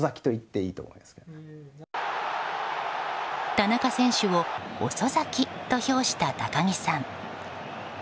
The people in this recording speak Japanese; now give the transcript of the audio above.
田中選手を遅咲きと評した高木さん。